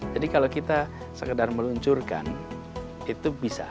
jadi kalau kita sekedar meluncurkan itu bisa